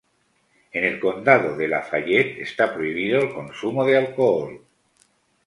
En el Condado de Lafayette está prohibido el consumo de alcohol.